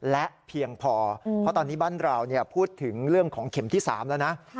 และเพียงพอเพราะตอนนี้บ้านเราพูดถึงเรื่องของเข็มที่๓แล้วนะ